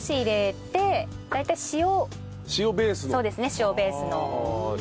塩ベースの。